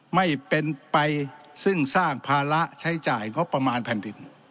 ไม่เป็นไปซึ่งสร้างภาระใช้จ่ายงบประมาณแผ่นดิน